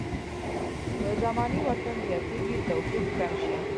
زماني واټن زیاتېږي توفیق کم شي.